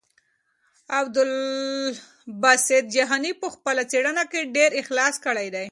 عبدالباسط جهاني په خپله څېړنه کې ډېر اخلاص کړی دی.